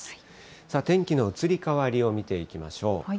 さあ、天気の移り変わりを見ていきましょう。